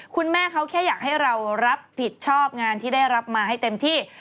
คุณแม่เขาแค่อยากให้เรารับผิดชอบงานที่ได้รับมาให้เต็มที่